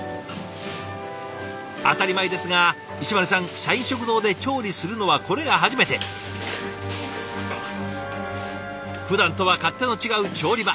当たり前ですが石丸さん社員食堂で調理するのはこれが初めて。ふだんとは勝手の違う調理場。